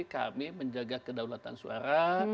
kami menjaga kedaulatan suara